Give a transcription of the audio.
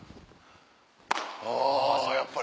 あやっぱり。